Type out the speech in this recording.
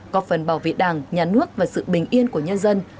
có phần bảo vệ đảng nhà nước và sự bình yên của nhân dân